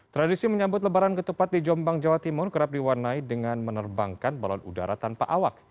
tradisi menyambut lebaran ketupat di jombang jawa timur kerap diwarnai dengan menerbangkan balon udara tanpa awak